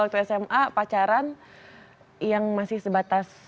waktu sma pacaran yang masih sebatas